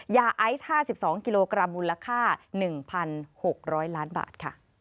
ยาไอซ์๕๒กิโลกรัมมูลค่า๑๖๐๐ล้านบาทค่ะ